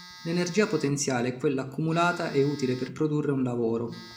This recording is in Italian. L’energia potenziale è quella accumulata e utile per produrre un lavoro.